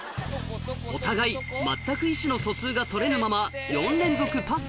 お互い全く意思の疎通が取れぬままパス。